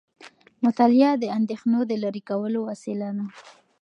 مطالعه د اندیښنو د لرې کولو وسیله ده.